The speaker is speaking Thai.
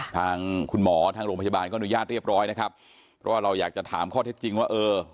ทางคุณหมอทางโรงพยาบาลก็อนุญาตเรียบร้อยนะครับเพราะว่าเราอยากจะถามข้อเท็จจริงว่าเออ